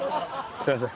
すいません。